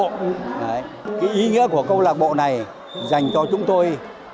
cái ý nghĩa của câu lạc bộ này dành cho chúng tôi